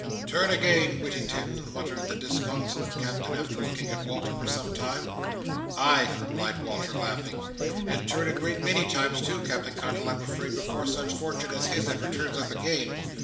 "Turn again, Whittington," muttered the disconsolate Captain, after looking at Walter for some time. "Ay," replied Walter, laughing, "and turn a great many times, too, Captain Cuttle, I'm afraid, before such fortune as his ever turns up again.